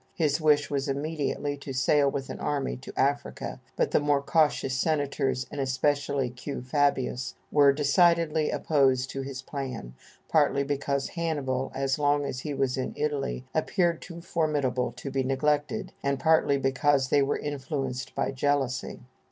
His wish was immediately to sail with an army to Africa, but the more cautious senators, and especially Q. Fabius, were decidedly opposed to his plan, partly because Hannibal, as long as he was in Italy, appeared too formidable to be neglected, and partly because they were influenced by jealousy.